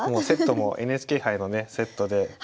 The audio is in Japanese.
セットもＮＨＫ杯のねセットで。